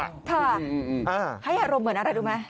ใช่ให้อารมณ์เหมือนอะไรดูมั้ย